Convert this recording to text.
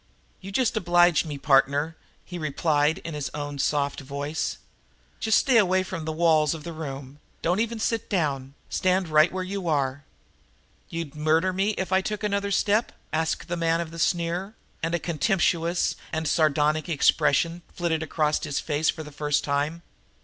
"You just oblige me, partner," he replied in his own soft voice. "Just stay away from the walls of the room don't even sit down. Stand right where you are." "You'd murder me if I took another step?" asked the man of the sneer, and a contemptuous and sardonic expression flitted across his face for the first time.